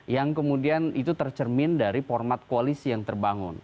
yang kemudian itu tercermin dari format koalisi yang terbangun